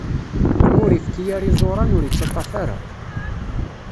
Imi ur ifki ara iẓuran, ur ittaṭṭaf ara.